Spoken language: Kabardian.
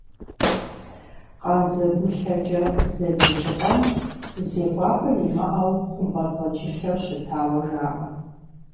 «КъандзэгулъэкӀэ» зэджэ щӀыпӀэм зекӀуапӀэ имыӀэу хъумпӀэцӀэджылъэу щытауэ жаӀэ.